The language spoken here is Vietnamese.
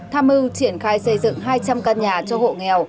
tham mưu triển khai xây dựng hai trăm linh căn nhà cho hộ nghèo